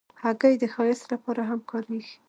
هګۍ د ښایست لپاره هم کارېږي.